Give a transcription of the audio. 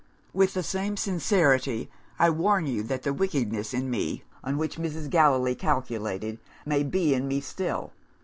"'With the same sincerity, I warn you that the wickedness in me, on which Mrs. Gallilee calculated, may be in me still.